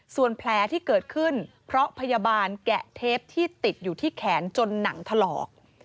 ส่วนแผลที่เกิดขึ้นเพราะพยาบาลแกะเทปที่ติดอยู่ที่แขนจนหนังถลอก